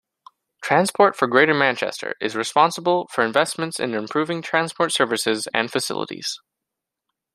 Transport for Greater Manchester is responsible for investments in improving transport services and facilities.